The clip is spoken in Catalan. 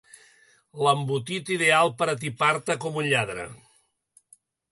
L'embotit ideal per atipar-te com un lladre.